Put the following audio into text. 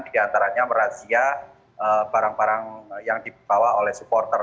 di antaranya merazia barang barang yang dibawa oleh supporter